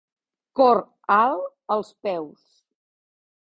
Cor alt als peus.